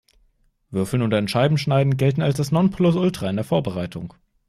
Würfeln oder in Scheiben schneiden gelten als das Nonplusultra in der Vorbereitung.